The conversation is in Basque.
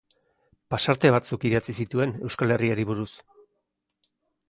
Pasarte batzuk idatzi zituen Euskal Herriari buruz.